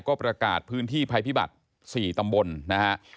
ก็ประกาศพื้นที่ภัยพิบัติ๔ตำบลนะฮะ